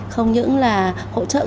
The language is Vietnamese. không những là hỗ trợ